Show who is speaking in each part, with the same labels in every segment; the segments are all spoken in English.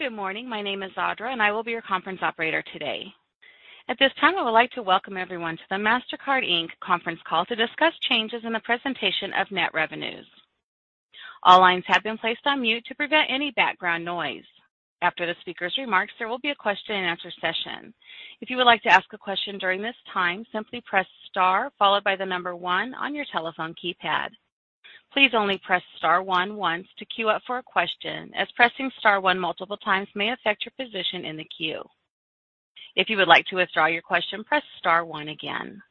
Speaker 1: Good morning. My name is Audra, and I will be your conference operator today. At this time, I would like to welcome everyone to the Mastercard Inc. conference call to discuss changes in the presentation of net revenues. All lines have been placed on mute to prevent any background noise. After the speaker's remarks, there will be a question-and-answer session. If you would like to ask a question during this time, simply press star followed by one on your telephone keypad. Please only press star one once to queue up for a question, as pressing star 1 multiple times may affect your position in the queue. If you would like to withdraw your question, press star one again.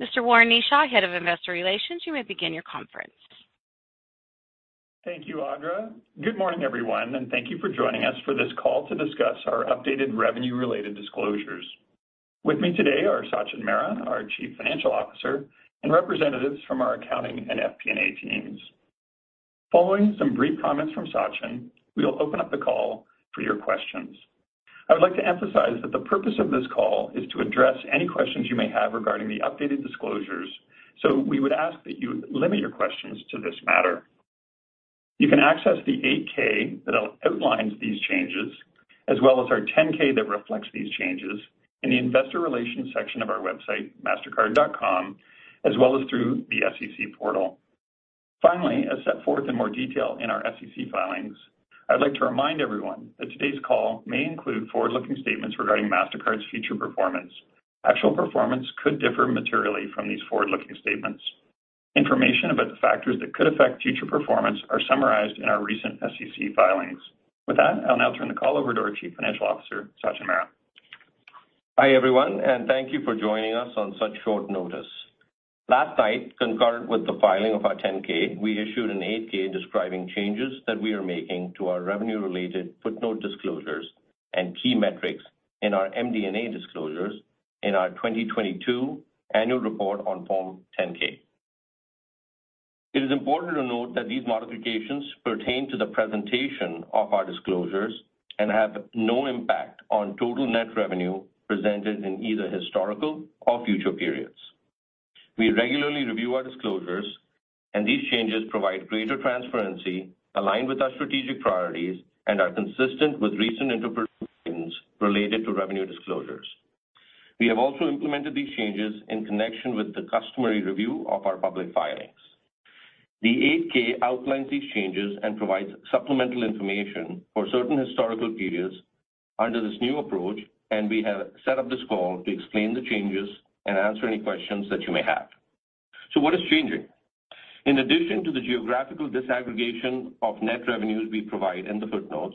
Speaker 1: Mr. Warren Kneeshaw, Head of Investor Relations, you may begin your conference.
Speaker 2: Thank you, Audra. Good morning, everyone, and thank you for joining us for this call to discuss our updated revenue-related disclosures. With me today are Sachin Mehra, our Chief Financial Officer, and representatives from our accounting and FP&A teams. Following some brief comments from Sachin, we will open up the call for your questions. I would like to emphasize that the purpose of this call is to address any questions you may have regarding the updated disclosures. We would ask that you limit your questions to this matter. You can access the 8-K that outlines these changes, as well as our 10-K that reflects these changes in the investor relations section of our website, mastercard.com, as well as through the SEC portal. Finally, as set forth in more detail in our SEC filings, I'd like to remind everyone that today's call may include forward-looking statements regarding Mastercard's future performance. Actual performance could differ materially from these forward-looking statements. Information about the factors that could affect future performance are summarized in our recent SEC filings. With that, I'll now turn the call over to our Chief Financial Officer, Sachin Mehra.
Speaker 3: Hi, everyone, and thank you for joining us on such short notice. Last night, concurrent with the filing of our 10-K, we issued an 8-K describing changes that we are making to our revenue-related footnote disclosures and key metrics in our MD&A disclosures in our 2022 annual report on Form 10-K. It is important to note that these modifications pertain to the presentation of our disclosures and have no impact on total net revenue presented in either historical or future periods. We regularly review our disclosures, and these changes provide greater transparency, align with our strategic priorities, and are consistent with recent interpretations related to revenue disclosures. We have also implemented these changes in connection with the customary review of our public filings. The 8-K outlines these changes and provides supplemental information for certain historical periods under this new approach, and we have set up this call to explain the changes and answer any questions that you may have. What is changing? In addition to the geographical disaggregation of net revenues we provide in the footnotes,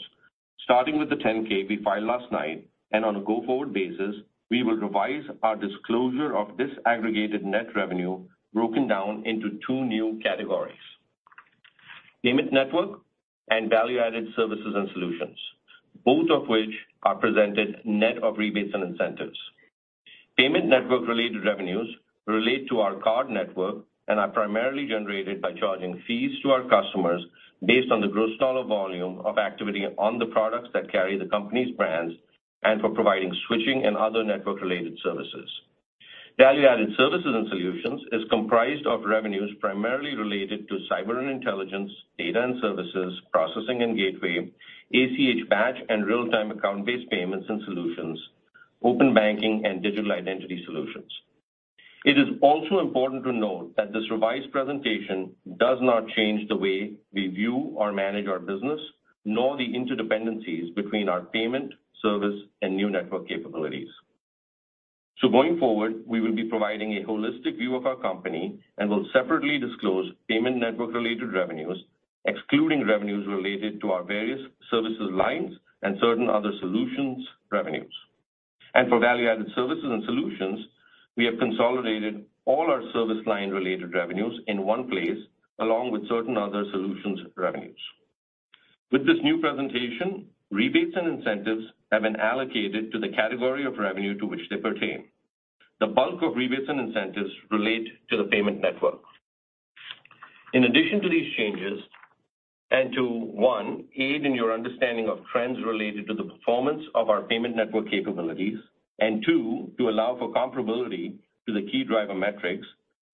Speaker 3: starting with the 10-K we filed last night and on a go-forward basis, we will revise our disclosure of disaggregated net revenue broken down into two new categories, payment network and value-added services and solutions, both of which are presented net of rebates and incentives. Payment network related revenues relate to our card network and are primarily generated by charging fees to our customers based on the gross dollar volume of activity on the products that carry the company's brands and for providing switching and other network related services. Value-added services and solutions is comprised of revenues primarily related to Cyber & Intelligence, Data & Services, Processing & Gateway, ACH batch, and real-time account-based payments and solutions, Open Banking and Digital Identity solutions. It is also important to note that this revised presentation does not change the way we view or manage our business, nor the interdependencies between our payment, service, and new network capabilities. Going forward, we will be providing a holistic view of our company and will separately disclose payment network related revenues, excluding revenues related to our various services lines and certain other solutions revenues. For value-added services and solutions, we have consolidated all our service line related revenues in one place along with certain other solutions revenues. With this new presentation, rebates and incentives have been allocated to the category of revenue to which they pertain. The bulk of rebates and incentives relate to the payment network. In addition to these changes, and to, one, aid in your understanding of trends related to the performance of our payment network capabilities, and two, to allow for comparability to the key driver metrics,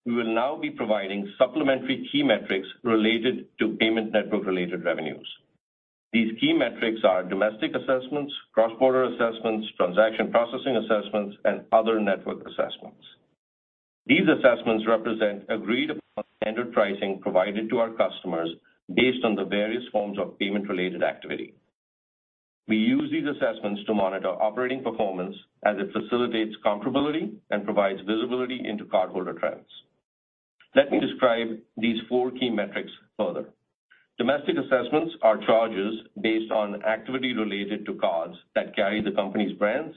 Speaker 3: we will now be providing supplementary key metrics related to payment network related revenues. These key metrics are domestic assessments, cross-border assessments, transaction processing assessments, and other network assessments. These assessments represent agreed upon standard pricing provided to our customers based on the various forms of payment-related activity. We use these assessments to monitor operating performance as it facilitates comparability and provides visibility into cardholder trends. Let me describe these four key metrics further. Domestic assessments are charges based on activity related to cards that carry the company's brands,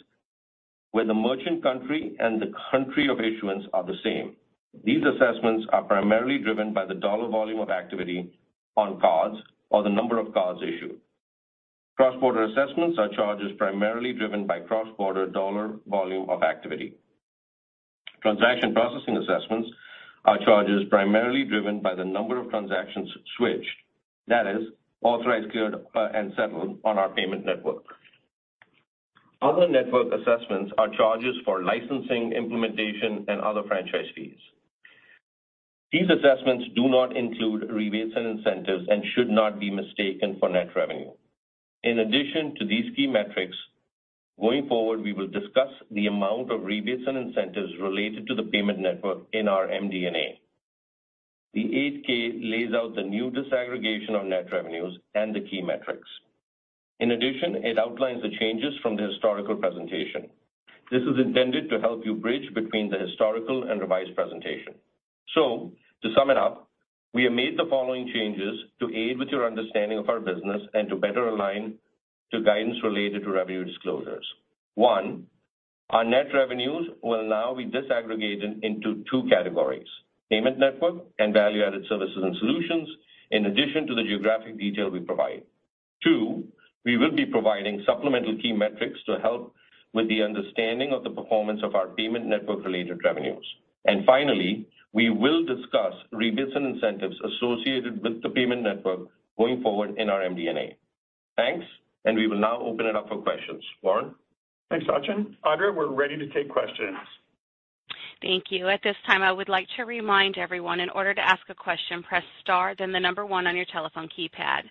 Speaker 3: where the merchant country and the country of issuance are the same. These assessments are primarily driven by the dollar volume of activity on cards or the number of cards issued. Cross-border assessments are charges primarily driven by cross-border dollar volume of activity. Transaction processing assessments are charges primarily driven by the number of transactions switched, that is, authorized, cleared, and settled on our payment network. Other network assessments are charges for licensing, implementation, and other franchise fees. These assessments do not include rebates and incentives and should not be mistaken for net revenue. In addition to these key metrics, going forward, we will discuss the amount of rebates and incentives related to the payment network in our MD&A. The 8-K lays out the new disaggregation on net revenues and the key metrics. It outlines the changes from the historical presentation. This is intended to help you bridge between the historical and revised presentation. To sum it up, we have made the following changes to aid with your understanding of our business and to better align to guidance related to revenue disclosures. One, our net revenues will now be disaggregated into two categories: payment network and value-added services and solutions, in addition to the geographic detail we provide. Two, we will be providing supplemental key metrics to help with the understanding of the performance of our payment network-related revenues. Finally, we will discuss rebates and incentives associated with the payment network going forward in our MD&A. Thanks. We will now open it up for questions. Warren?
Speaker 2: Thanks, Sachin. Andrea, we're ready to take questions.
Speaker 1: Thank you. At this time, I would like to remind everyone, in order to ask a question, press star then the number one on your telephone keypad.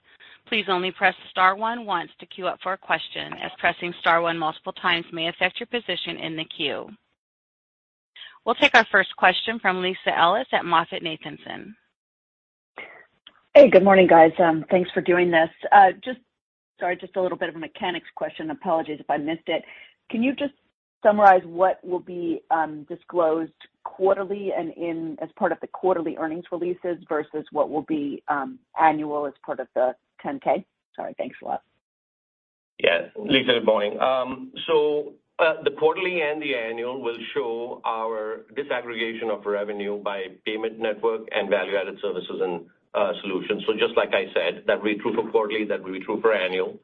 Speaker 1: Please only press star one once to queue up for a question, as pressing star one multiple times may affect your position in the queue. We'll take our first question from Lisa Ellis at MoffettNathanson.
Speaker 4: Hey, good morning, guys. Thanks for doing this. Sorry, just a little bit of a mechanics question. Apologies if I missed it. Can you just summarize what will be disclosed quarterly and in as part of the quarterly earnings releases versus what will be annual as part of the 10-K? Sorry. Thanks a lot.
Speaker 3: Yes. Lisa, good morning. The quarterly and the annual will show our disaggregation of revenue by payment network and value-added services and solutions. Just like I said, that will be true for quarterly, that will be true for annual.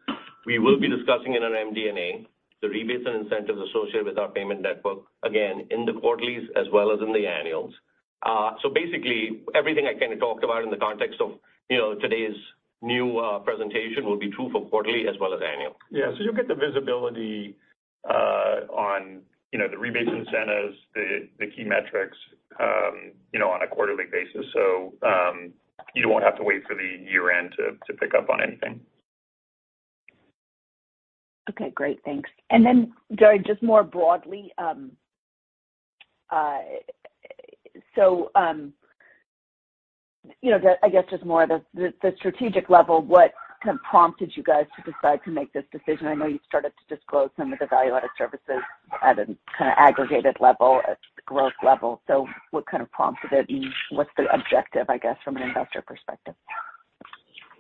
Speaker 3: We will be discussing in our MD&A the rebates and incentives associated with our payment network, again, in the quarterlies as well as in the annuals. Basically everything I kinda talked about in the context of, you know, today's new presentation will be true for quarterly as well as annual.
Speaker 2: Yeah. You'll get the visibility, on, you know, the rebates incentives, the key metrics, you know, on a quarterly basis. You won't have to wait for the year-end to pick up on anything.
Speaker 4: Okay, great. Thanks. Sorry, just more broadly, you know, I guess just more the strategic level, what kind of prompted you guys to decide to make this decision? I know you started to disclose some of the value-added services at a kind of aggregated level, at growth level. What kind of prompted it, and what's the objective, I guess, from an investor perspective?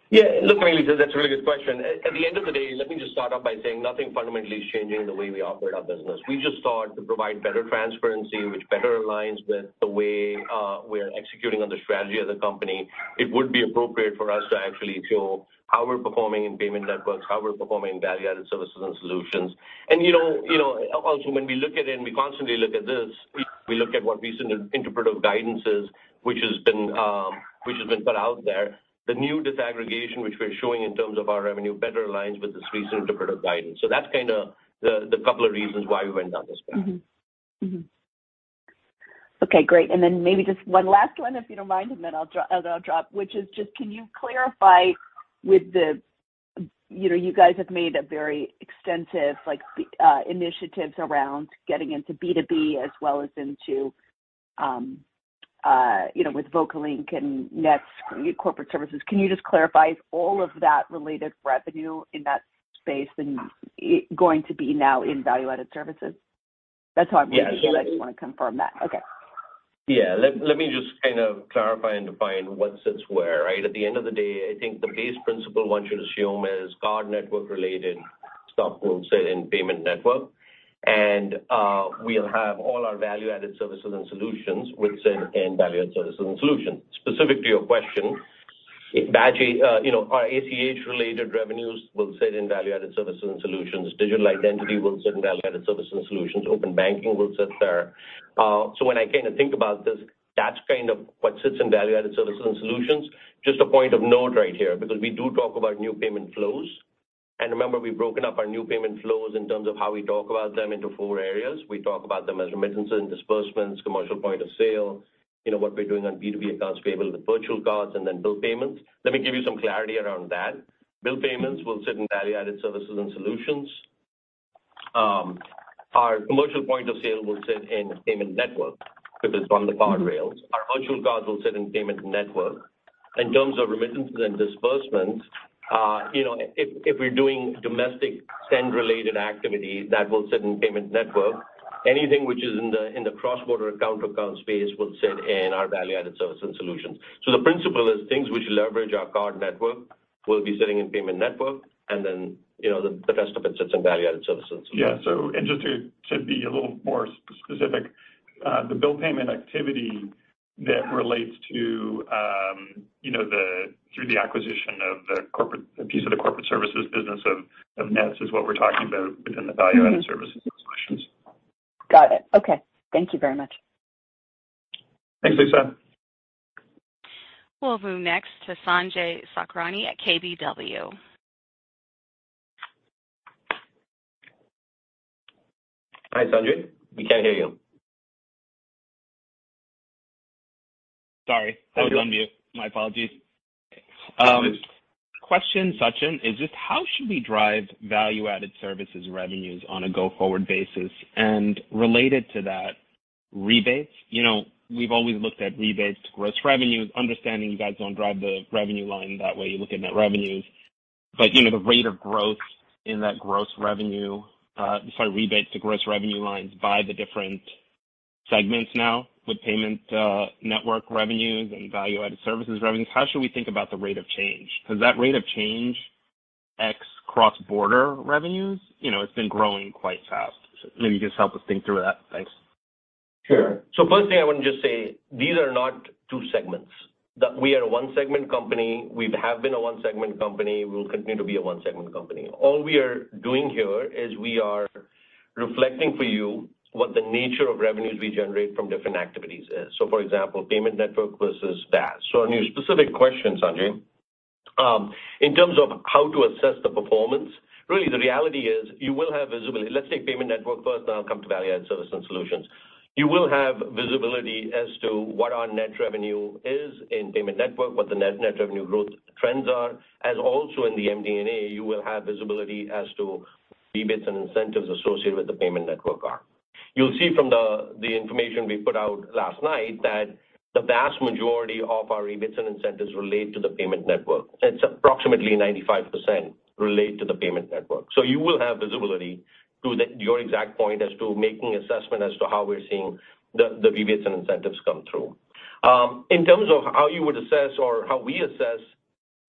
Speaker 3: Yeah. Look, I mean, Lisa, that's a really good question. At the end of the day, let me just start off by saying nothing fundamentally is changing the way we operate our business. We just thought to provide better transparency, which better aligns with the way we're executing on the strategy of the company. It would be appropriate for us to actually show how we're performing in payment networks, how we're performing in value-added services and solutions. You know, also, when we look at it, and we constantly look at this, we look at what recent interpretive guidance is, which has been which has been put out there. The new disaggregation, which we're showing in terms of our revenue, better aligns with this recent interpretive guidance. That's kinda the couple of reasons why we went down this path.
Speaker 4: Mm-hmm. Mm-hmm. Then maybe just one last one, if you don't mind, and then I'll drop, which is just can you clarify with the... You know, you guys have made a very extensive, like, initiatives around getting into B2B as well as into, you know, with VocaLink and Nets Corporate Services. Can you just clarify all of that related revenue in that space and, going to be now in Value-Added Services? That's all.
Speaker 3: Yes.
Speaker 4: I just wanna confirm that. Okay.
Speaker 3: Let me just kind of clarify and define what sits where, right? At the end of the day, I think the base principle one should assume is card network-related stuff will sit in payment network. We'll have all our value-added services and solutions, which sit in value-added services and solutions. Specific to your question, batch, you know, our ACH-related revenues will sit in value-added services and solutions. Digital Identity will sit in value-added services and solutions. Open Banking will sit there. When I kind of think about this, that's kind of what sits in value-added services and solutions. Just a point of note right here, because we do talk about new payment flows, and remember, we've broken up our new payment flows in terms of how we talk about them into four areas. We talk about them as remittances and disbursements, commercial point of sale, you know, what we're doing on B2B accounts payable with virtual cards and then bill payments. Let me give you some clarity around that. Bill payments will sit in value-added services and solutions. Our commercial point of sale will sit in payment network because it's on the card rails.
Speaker 4: Mm-hmm.
Speaker 3: Our virtual cards will sit in payment network. In terms of remittances and disbursements, you know, if we're doing domestic send-related activity, that will sit in payment network. Anything which is in the cross-border account-to-account space will sit in our value-added service and solutions. The principle is things which leverage our card network will be sitting in payment network and then, you know, the rest of it sits in value-added services.
Speaker 2: Just to be a little more specific, the bill payment activity that relates to, you know, through the acquisition of the corporate, a piece of the corporate services business of Nets is what we're talking about within the value-added services and solutions.
Speaker 4: Got it. Okay. Thank you very much.
Speaker 2: Thanks, Lisa.
Speaker 1: We'll move next to Sanjay Sakhrani at KBW.
Speaker 3: Hi, Sanjay. We can't hear you.
Speaker 5: Sorry. I was on mute. My apologies. Question, Sachin, is just how should we drive value-added services revenues on a go-forward basis? Related to that, rebates. You know, we've always looked at rebates to gross revenues, understanding you guys don't drive the revenue line that way, you look at net revenues. You know, the rate of growth in that gross revenue, sorry, rebates to gross revenue lines by the different segments now with payment network revenues and value-added services revenues, how should we think about the rate of change? Because that rate of change X cross-border revenues, you know, it's been growing quite fast. Maybe you can just help us think through that. Thanks.
Speaker 3: Sure. First thing I want to just say, these are not two segments. We are a one-segment company. We've been a one-segment company. We'll continue to be a one-segment company. All we are doing here is we are reflecting for you what the nature of revenues we generate from different activities is. For example, payment network versus VAS. On your specific question, Sanjay, in terms of how to assess the performance, really the reality is you will have visibility. Let's take payment network first, then I'll come to value-added services and solutions. You will have visibility as to what our net revenue is in payment network, what the net revenue growth trends are, as also in the MD&A, you will have visibility as to rebates and incentives associated with the payment network are. You'll see from the information we put out last night that the vast majority of our rebates and incentives relate to the payment network. It's approximately 95% relate to the payment network. You will have visibility to your exact point as to making assessment as to how we're seeing the rebates and incentives come through. In terms of how you would assess or how we assess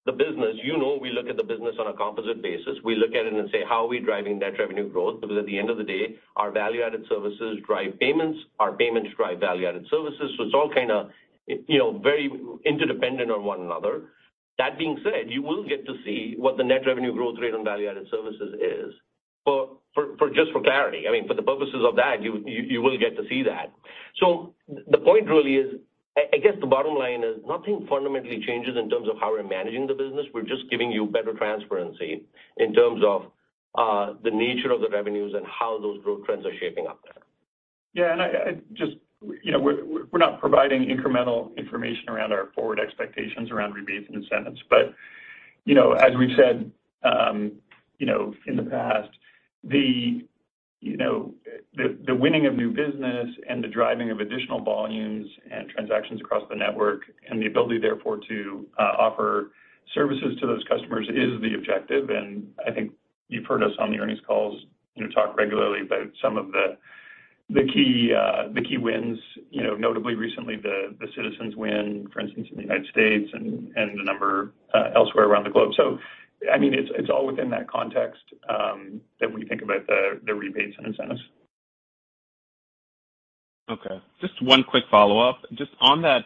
Speaker 3: the business, you know, we look at the business on a composite basis. We look at it and say, how are we driving net revenue growth? Because at the end of the day, our value-added services drive payments, our payments drive value-added services. It's all kinda, you know, very interdependent on one another. That being said, you will get to see what the net revenue growth rate on value-added services is. For just for clarity, I mean, for the purposes of that, you will get to see that. The point really is, I guess the bottom line is nothing fundamentally changes in terms of how we're managing the business. We're just giving you better transparency in terms of the nature of the revenues and how those growth trends are shaping up there.
Speaker 2: I just, you know, we're not providing incremental information around our forward expectations around rebates and incentives. You know, as we've said, you know, in the past, you know, the winning of new business and the driving of additional volumes and transactions across the payment network and the ability therefore to offer services to those customers is the objective. I think you've heard us on the earnings calls, you know, talk regularly about some of the key wins, you know, notably recently the Citizens win, for instance, in the United States and the number elsewhere around the globe. I mean, it's all within that context that when you think about the rebates and incentives.
Speaker 5: Just one quick follow-up. Just on that,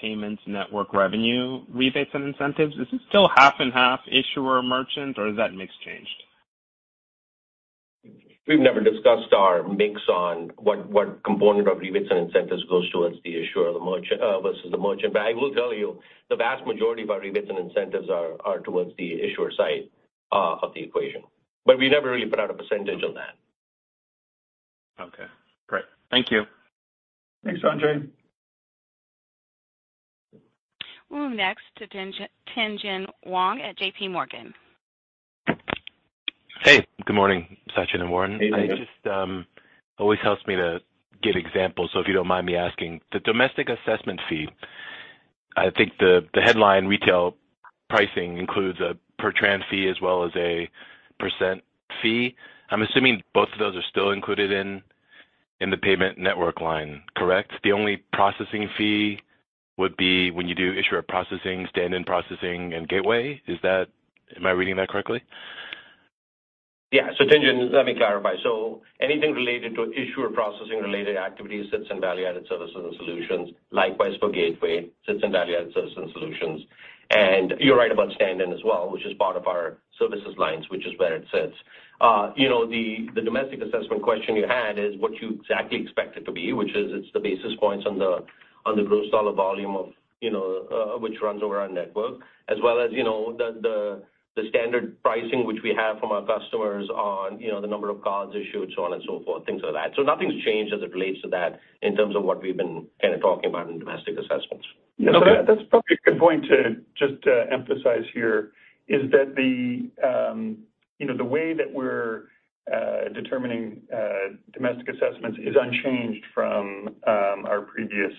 Speaker 5: payments network revenue rebates and incentives, is it still half and half issuer merchant or has that mix changed?
Speaker 3: We've never discussed our mix on what component of rebates and incentives goes towards the issuer or versus the merchant. I will tell you, the vast majority of our rebates and incentives are towards the issuer side of the equation. We never really put out a percentage on that.
Speaker 5: Okay. Great. Thank you.
Speaker 3: Thanks, Sanjay.
Speaker 1: We'll move next to Tien-Tsin Huang at JPMorgan.
Speaker 6: Hey, good morning, Sachin and Warren.
Speaker 3: Hey, Tien-Tsin.
Speaker 6: I just, always helps me to get examples, so if you don't mind me asking. The Domestic Assessment fee, I think the headline retail pricing includes a per tran fee as well as a percent fee. I'm assuming both of those are still included in the Payment Network line, correct? The only processing fee would be when you do issuer processing, stand-in Processing & Gateway. Is that? Am I reading that correctly?
Speaker 3: Yeah. Tien-Tsin, let me clarify. Anything related to issuer processing related activities sits in value-added services and solutions, likewise for gateway, sits in value-added services and solutions. You're right about stand-in as well, which is part of our services lines, which is where it sits. You know, the domestic assessment question you had is what you exactly expect it to be, which is it's the basis points on the gross dollar volume of, you know, which runs over our network, as well as, you know, the standard pricing which we have from our customers on, you know, the number of cards issued, so on and so forth, things like that. Nothing's changed as it relates to that in terms of what we've been kinda talking about in domestic assessments.
Speaker 2: Yeah. That's probably a good point to just emphasize here, is that the, you know, the way that we're determining domestic assessments is unchanged from our previous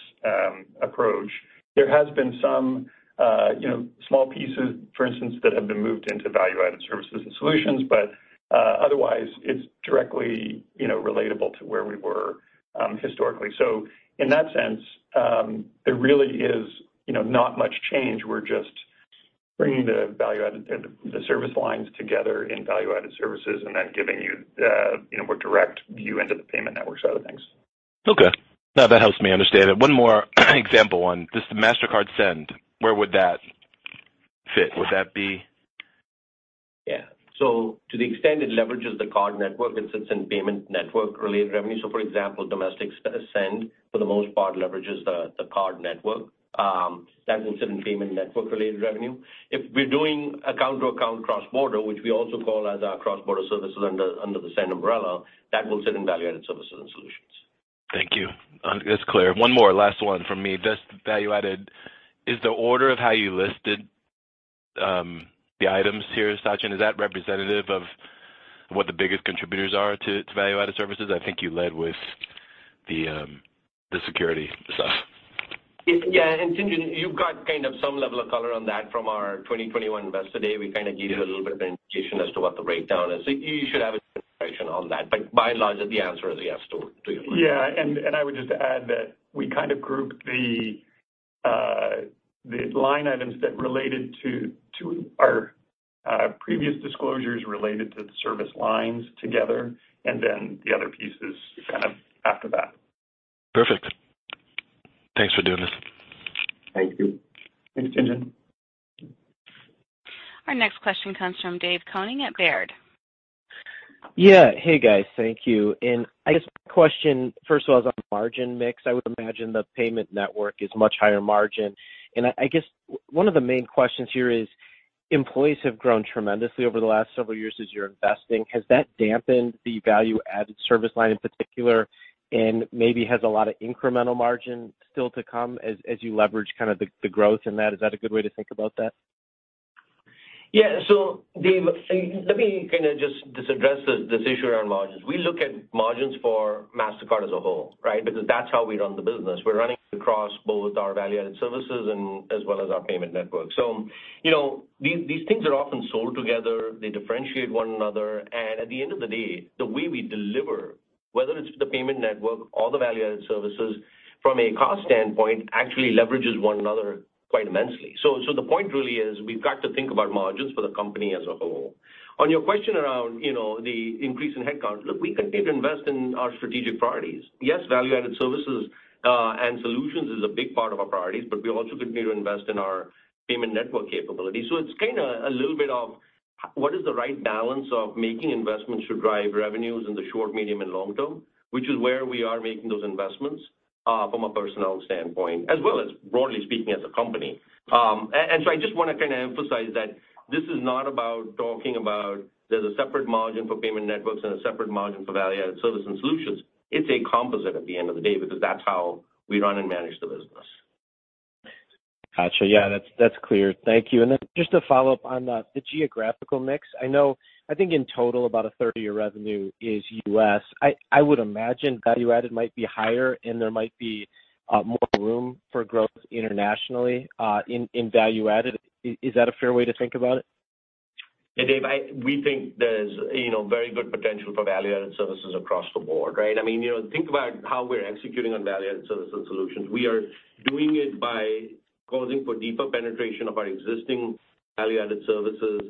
Speaker 2: approach. There has been some, you know, small pieces, for instance, that have been moved into value-added services and solutions, but otherwise it's directly, you know, relatable to where we were historically. In that sense, there really is, you know, not much change. We're just bringing the value-added, the service lines together in value-added services and then giving you the, you know, more direct view into the payment network side of things.
Speaker 6: Okay. No, that helps me understand it. One more example on just the Mastercard Send, where would that fit? Would that be-
Speaker 3: Yeah. To the extent it leverages the card network, it sits in payment network related revenue. For example, domestic, send for the most part leverages the card network. That will sit in payment network related revenue. If we're doing account to account cross-border, which we also call as our Cross-Border Services under the same umbrella, that will sit in value-added services and solutions.
Speaker 6: Thank you. It's clear. One more last one from me. Just Value Added. Is the order of how you listed, the items here, Sachin, is that representative of what the biggest contributors are to Value-Added Services? I think you led with the security stuff.
Speaker 3: Yeah. Since you've got kind of some level of color on that from our 2021 Investor Day, we kind of gave you a little bit of indication as to what the breakdown is. You should have a good direction on that. By and large the answer is yes to your question.
Speaker 2: Yeah. I would just add that we kind of grouped the line items that related to our previous disclosures related to the service lines together and then the other pieces kind of after that.
Speaker 6: Perfect. Thanks for doing this.
Speaker 3: Thank you.
Speaker 2: Thanks, Tien-Tsin.
Speaker 1: Our next question comes from Dave Koning at Baird.
Speaker 7: Yeah. Hey guys. Thank you. I guess my question, first of all, is on margin mix. I would imagine the payment network is much higher margin. I guess one of the main questions here is employees have grown tremendously over the last several years since you're investing. Has that dampened the value-added service line in particular and maybe has a lot of incremental margin still to come as you leverage kinda the growth in that? Is that a good way to think about that?
Speaker 3: Yeah. Dave, let me kinda just address this issue around margins. We look at margins for Mastercard as a whole, right? Because that's how we run the business. We're running across both our value-added services and as well as our payment network. You know, these things are often sold together. They differentiate one another. At the end of the day, the way we deliver, whether it's the payment network or the value-added services from a cost standpoint actually leverages one another quite immensely. The point really is we've got to think about margins for the company as a whole. On your question around, you know, the increase in headcount, look, we continue to invest in our strategic priorities. Yes, value-added services and solutions is a big part of our priorities, but we also continue to invest in our payment network capability. It's kinda a little bit of what is the right balance of making investments to drive revenues in the short, medium, and long term, which is where we are making those investments, from a personnel standpoint, as well as broadly speaking as a company. I just wanna kinda emphasize that this is not about talking about there's a separate margin for payment networks and a separate margin for value-added services and solutions. It's a composite at the end of the day because that's how we run and manage the business.
Speaker 7: Gotcha. Yeah, that's clear. Thank you. Just to follow up on the geographical mix. I know, I think in total about a third of your revenue is U.S. I would imagine value-added might be higher and there might be more room for growth internationally in value-added. Is that a fair way to think about it?
Speaker 3: Hey, Dave. We think there's, you know, very good potential for value-added services across the board, right? I mean, you know, think about how we're executing on value-added services and solutions. We are doing it by calling for deeper penetration of our existing value-added services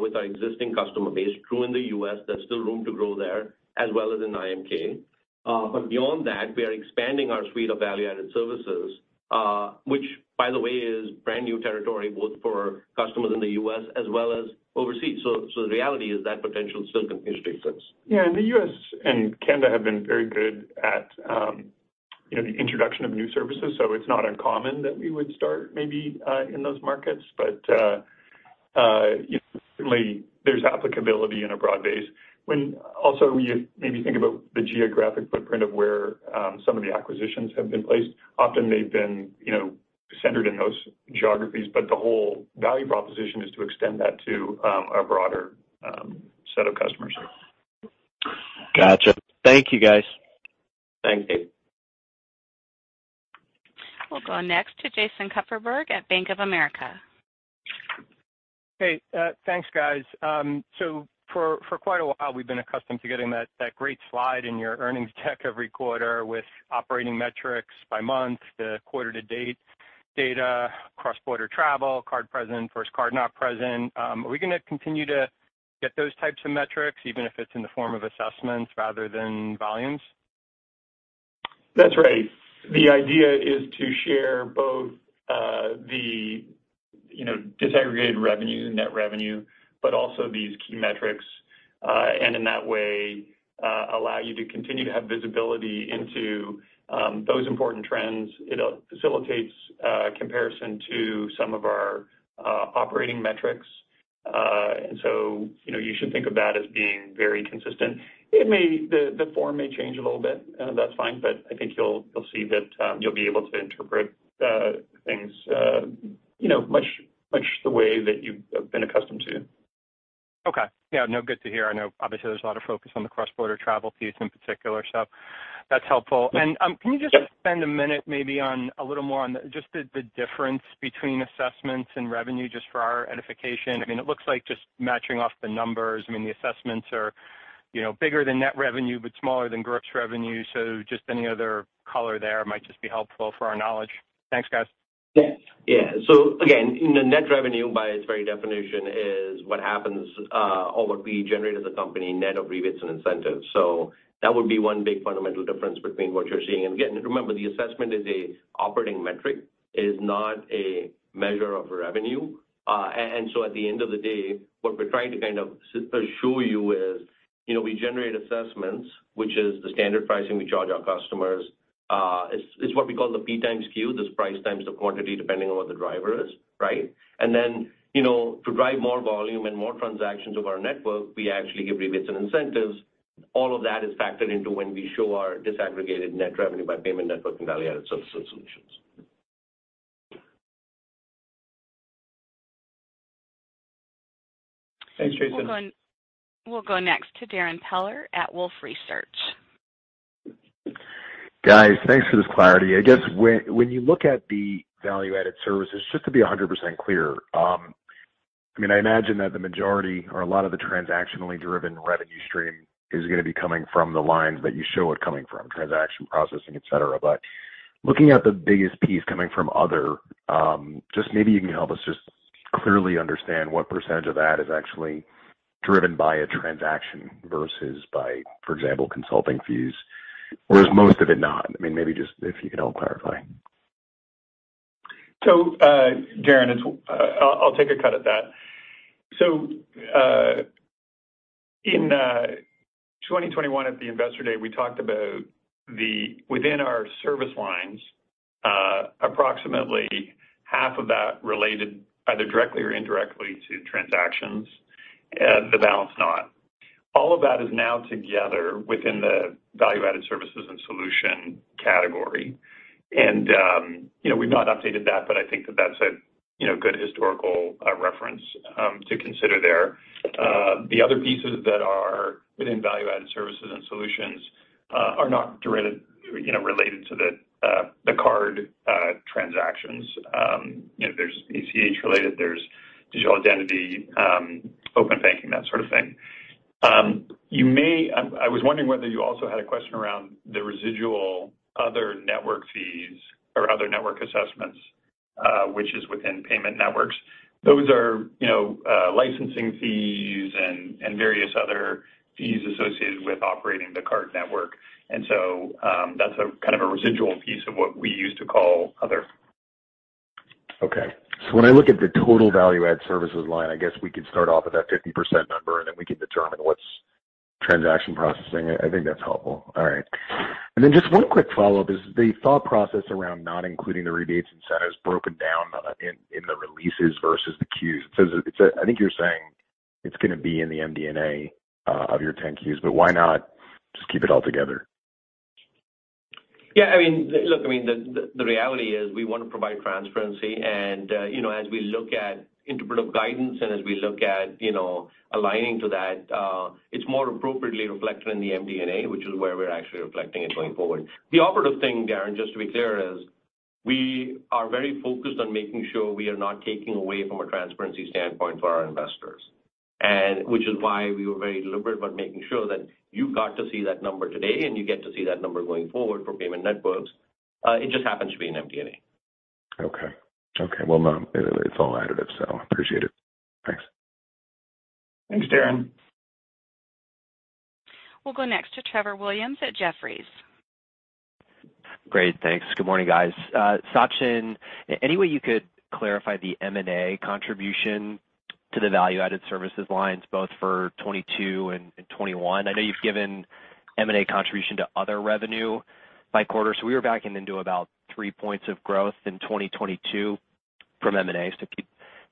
Speaker 3: with our existing customer base. True in the U.S., there's still room to grow there as well as in EEMEA. Beyond that, we are expanding our suite of value-added services, which by the way is brand new territory both for customers in the U.S. as well as overseas. The reality is that potential still continues to exist.
Speaker 2: Yeah. The U.S. and Canada have been very good at, you know, the introduction of new services. It's not uncommon that we would start maybe in those markets. You know, certainly there's applicability in a broad base. Also you maybe think about the geographic footprint of where some of the acquisitions have been placed. Often they've been, you know, centered in those geographies, but the whole value proposition is to extend that to a broader set of customers.
Speaker 7: Gotcha. Thank you, guys.
Speaker 3: Thanks, Dave.
Speaker 1: We'll go next to Jason Kupferberg at Bank of America.
Speaker 8: Hey, thanks, guys. For quite a while we've been accustomed to getting that great slide in your earnings deck every quarter with operating metrics by month, the quarter to date data, cross-border travel, card present versus card not present. Are we gonna continue to get those types of metrics even if it's in the form of assessments rather than volumes?
Speaker 2: That's right. The idea is to share both, the, you know, disaggregated revenues and net revenue, but also these key metrics. In that way, allow you to continue to have visibility into those important trends. It facilitates comparison to some of our operating metrics. You know, you should think of that as being very consistent. It may, the form may change a little bit, and that's fine, but I think you'll see that you'll be able to interpret things, you know, much the way that you've been accustomed to.
Speaker 8: Okay. Yeah, no, good to hear. I know obviously there's a lot of focus on the cross-border travel piece in particular, so that's helpful. Can you just spend a minute maybe on a little more on just the difference between assessments and revenue just for our edification? I mean, it looks like just matching off the numbers. I mean, the assessments are, you know, bigger than net revenue but smaller than gross revenue. Just any other color there might just be helpful for our knowledge. Thanks guys.
Speaker 3: Yes. Yeah. Again, net revenue by its very definition is what happens, or what we generate as a company net of rebates and incentives. That would be one big fundamental difference between what you're seeing. Again, remember the assessment is an operating metric. It is not a measure of revenue. At the end of the day, what we're trying to show you is, you know, we generate assessments, which is the standard pricing we charge our customers. It's what we call the P times Q, this price times the quantity depending on what the driver is, right? Then, you know, to drive more volume and more transactions of our network, we actually give rebates and incentives. All of that is factored into when we show our disaggregated net revenue by payment network and Value-Added Services solutions.
Speaker 2: Thanks, Jason.
Speaker 1: We'll go on We'll go next to Darrin Peller at Wolfe Research.
Speaker 9: Guys, thanks for this clarity. I guess when you look at the value-added services, just to be 100% clear, I mean, I imagine that the majority or a lot of the transactionally driven revenue stream is going to be coming from the lines that you show it coming from, transaction processing, et cetera. Looking at the biggest piece coming from other, just maybe you can help us just clearly understand what % of that is actually driven by a transaction versus by, for example, consulting fees, or is most of it not? I mean, maybe just if you can help clarify.
Speaker 2: Darrin, I'll take a cut at that. In 2021 at the Investor Day, we talked about the within our service lines, approximately half of that related either directly or indirectly to transactions, the balance not. All of that is now together within the value-added services and solutions category. You know, we've not updated that, but I think that that's a, you know, good historical reference to consider there. The other pieces that are within value-added services and solutions are not directed, you know, related to the card transactions. You know, there's ACH related, there's Digital Identity, Open Banking, that sort of thing. I was wondering whether you also had a question around the residual other network fees or Other Network Assessments, which is within Payment Networks. Those are, you know, licensing fees and various other fees associated with operating the card network. That's a kind of a residual piece of what we used to call other.
Speaker 9: When I look at the total value-added services line, I guess we could start off with that 50% number, and then we can determine what's transaction processing. I think that's helpful. Just one quick follow-up is the thought process around not including the rebates and incentives broken down in the releases versus the Qs. I think you're saying it's gonna be in the MD&A of your 10-Qs, but why not just keep it all together?
Speaker 3: Yeah, I mean, look, I mean, the reality is we wanna provide transparency and, you know, as we look at interpretive guidance and as we look at, you know, aligning to that, it's more appropriately reflected in the MD&A, which is where we're actually reflecting it going forward. The operative thing, Darrin, just to be clear, is we are very focused on making sure we are not taking away from a transparency standpoint for our investors, which is why we were very deliberate about making sure that you got to see that number today, and you get to see that number going forward for payment networks. It just happens to be in MD&A.
Speaker 9: Okay. Okay. Well, no, it's all additive, so appreciate it. Thanks.
Speaker 2: Thanks, Darrin.
Speaker 1: We'll go next to Trevor Williams at Jefferies.
Speaker 10: Great. Thanks. Good morning, guys. Sachin, any way you could clarify the M&A contribution to the value-added services lines both for 2022 and 2021? I know you've given M&A contribution to other revenue by quarter. We were backing into about three points of growth in 2022 from M&A. If you'd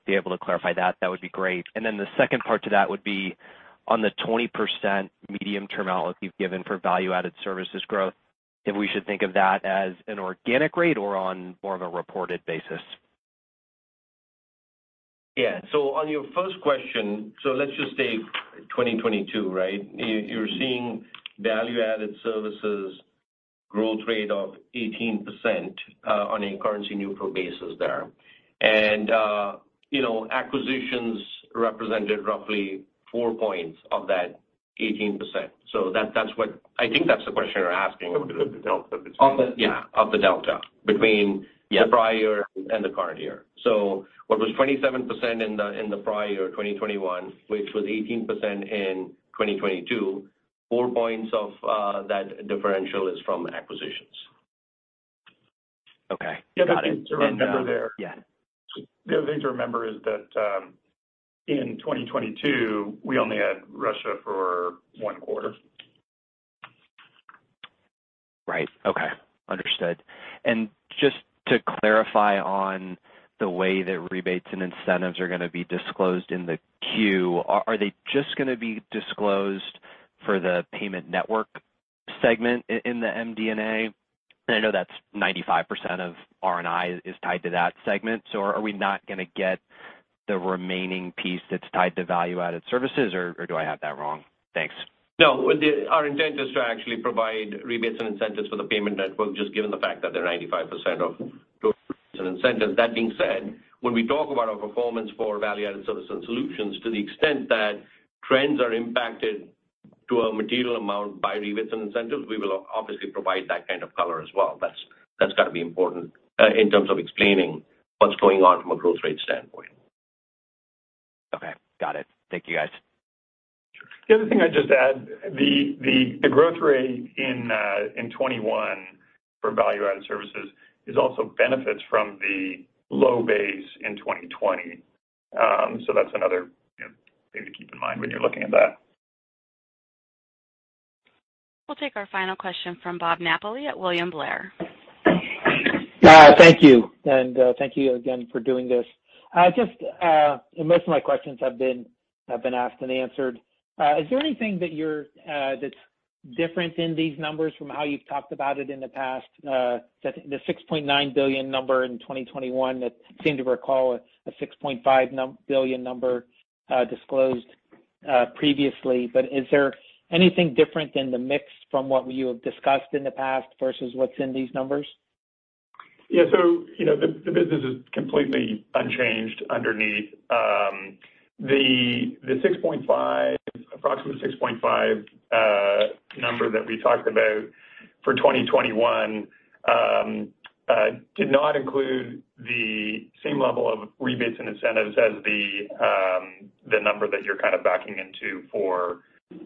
Speaker 10: be able to clarify that would be great. Then the second part to that would be on the 20% medium-term outlook you've given for value-added services growth, if we should think of that as an organic rate or on more of a reported basis.
Speaker 3: Yeah. On your first question, let's just take 2022, right? You're seeing value-added services growth rate of 18% on a currency neutral basis there. You know, acquisitions represented roughly 4 points of that 18%. That's what I think that's the question you're asking.
Speaker 2: Of the delta between...
Speaker 3: Yeah, of the delta between.
Speaker 10: Yeah...
Speaker 3: the prior and the current year. What was 27% in the, in the prior 2021, which was 18% in 2022, four points of that differential is from acquisitions.
Speaker 10: Okay. Got it.
Speaker 2: The other thing to remember there.
Speaker 10: Yeah.
Speaker 2: The other thing to remember is that, in 2022, we only had Russia for one quarter.
Speaker 10: Right. Okay. Understood. Just to clarify on the way that rebates and incentives are gonna be disclosed in the Q, are they just gonna be disclosed for the payment network segment in the MD&A? I know that's 95% of RNI is tied to that segment, so are we not gonna get the remaining piece that's tied to value-added services, or do I have that wrong? Thanks.
Speaker 3: No. Our intent is to actually provide rebates and incentives for the payment network, just given the fact that they're 95% of total incentives. That being said, when we talk about our performance for value-added service and solutions, to the extent that trends are impacted to a material amount by rebates and incentives, we will obviously provide that kind of color as well. That's gotta be important in terms of explaining what's going on from a growth rate standpoint.
Speaker 10: Okay. Got it. Thank you, guys.
Speaker 2: The other thing I'd just add, the growth rate in 2021 for Value-Added Services is also benefits from the low base in 2020. That's another, you know, thing to keep in mind when you're looking at that.
Speaker 1: We'll take our final question from Bob Napoli at William Blair.
Speaker 11: Thank you. Thank you again for doing this. Just most of my questions have been asked and answered. Is there anything that you're that's different in these numbers from how you've talked about it in the past? The $6.9 billion number in 2021 that seem to recall a $6.5 billion number disclosed previously. Is there anything different in the mix from what you have discussed in the past versus what's in these numbers?
Speaker 2: Yeah. You know, the business is completely unchanged underneath. The $6.5, approximate $6.5 number that we talked about for 2021 did not include the same level of rebates incentives as the number that you're kind of backing into for, you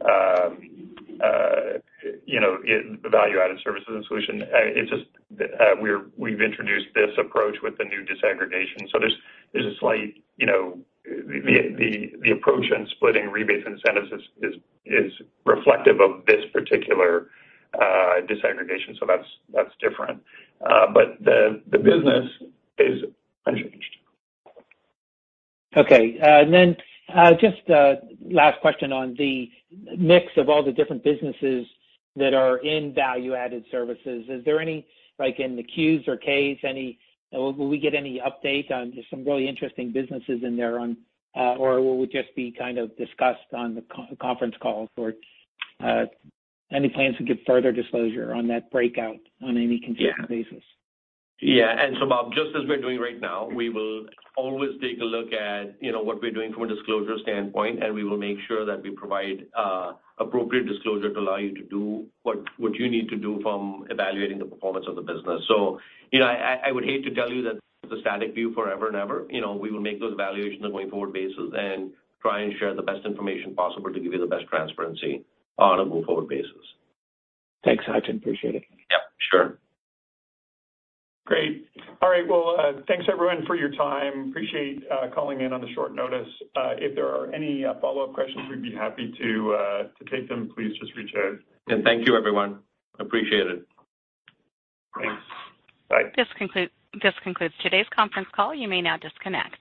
Speaker 2: know, the value-added services and solutions. It's just, we've introduced this approach with the new disaggregation. There's a slight, you know, the approach in splitting rebates incentives is reflective of this particular disaggregation. That's different. The business is unchanged.
Speaker 11: Okay. Just a last question on the mix of all the different businesses that are in value-added services. Is there any, like in the Qs or Ks, Will we get any update on some really interesting businesses in there on, or will just be kind of discussed on the conference call? Or, any plans to give further disclosure on that breakout on any consistent basis?
Speaker 3: Yeah. Bob, just as we're doing right now, we will always take a look at, you know, what we're doing from a disclosure standpoint, and we will make sure that we provide appropriate disclosure to allow you to do what you need to do from evaluating the performance of the business. You know, I would hate to tell you that the static view forever and ever, you know, we will make those evaluations on going forward basis and try and share the best information possible to give you the best transparency on a move forward basis.
Speaker 11: Thanks, Sachin. Appreciate it.
Speaker 3: Yeah, sure.
Speaker 2: Great. All right. Well, thanks everyone for your time. Appreciate calling in on the short notice. If there are any follow-up questions, we'd be happy to take them. Please just reach out.
Speaker 3: Thank you, everyone. Appreciate it.
Speaker 2: Thanks. Bye.
Speaker 1: This concludes today's conference call. You may now disconnect.